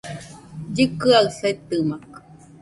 Llɨkɨaɨ setɨmakɨ